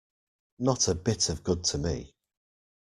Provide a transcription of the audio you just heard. Not a bit of good to me.